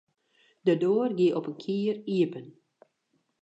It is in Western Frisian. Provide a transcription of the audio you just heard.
De doar gie op in kier iepen.